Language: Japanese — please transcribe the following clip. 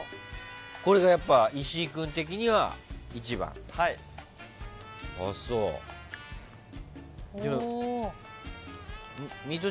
これがやっぱり石井君的には一番と。